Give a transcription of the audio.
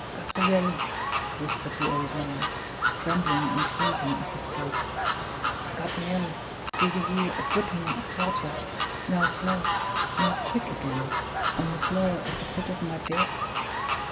"Gabriel," whispered the old man, trembling and shrinking as he spoke, "Gabriel, do you hear a dripping of water now slow, now quick again on the floor at the foot of my bed?"